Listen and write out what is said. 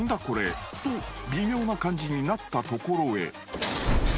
これと微妙な感じになったところへ］